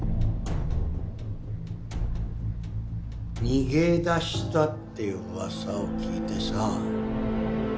逃げ出したっていう噂を聞いてさ。